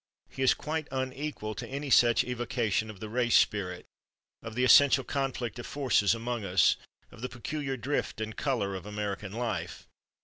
He is quite unequal to any such evocation of the race spirit, of the essential conflict of forces among us, of the peculiar drift and color of American life.